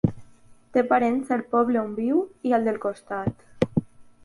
Té parents al poble on viu i al del costat.